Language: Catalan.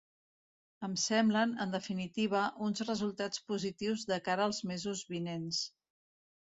Em semblen, en definitiva, uns resultats positius de cara als mesos vinents.